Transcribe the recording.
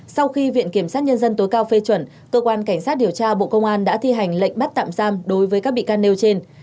sau khi viện kiểm sát nhân dân tối cao phê chuẩn cơ quan cảnh sát điều tra bộ công an đã thi hành lệnh bắt tạm giam đối với các bị can nêu trên